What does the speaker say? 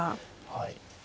はい。